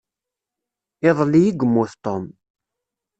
Iḍelli i yemmut Tom.